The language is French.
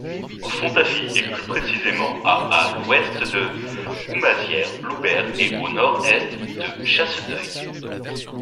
Fontafie est plus précisément à à l'ouest de Roumazières-Loubert et au nord-est de Chasseneuil.